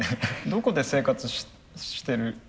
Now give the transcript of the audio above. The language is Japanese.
どこで生活してる。